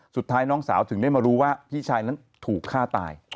สุดท้ายน้องสาวถึงได้มารู้ว่าพี่ชายนั้นถูกฆ่าตาย